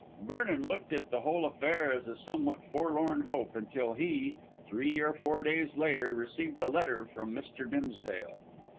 Vernon looked at the whole affair as a somewhat forlorn hope, until he, three or four days later, received a letter from Mr. Dimsdale.